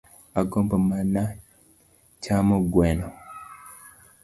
Agombo mana chamo gweno